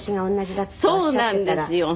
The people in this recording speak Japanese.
そうなんですよ。